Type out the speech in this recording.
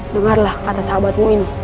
dengarlah kata sahabatmu ini